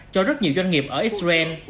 cho rất nhiều doanh nghiệp ở israel